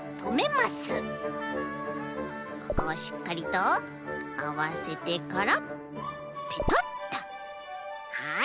ここをしっかりとあわせてからペトッとはい！